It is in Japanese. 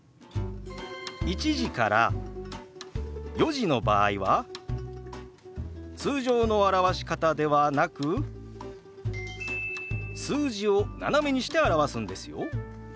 １時から４時の場合は通常の表し方ではなく数字を斜めにして表すんですよ。